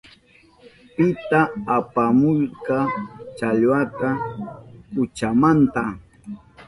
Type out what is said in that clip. ¿Pita apamushka challwata kuchamanta?